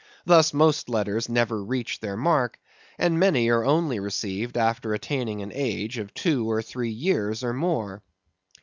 Thus, most letters never reach their mark; and many are only received after attaining an age of two or three years or more.